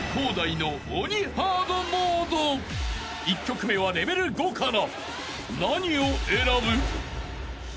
［１曲目はレベル５から］